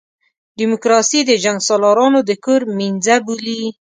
ډیموکراسي د جنګسالارانو د کور مېنځه بولي.